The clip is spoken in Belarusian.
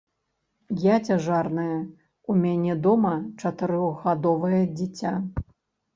Я цяжарная, у мяне дома чатырохгадовае дзіця.